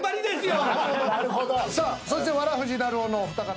そしてわらふぢなるおのお二方。